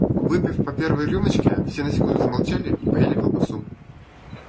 Выпив по первой рюмочке, все на секунду замолчали и поели колбасу.